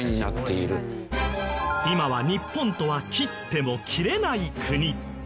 今は日本とは切っても切れない国。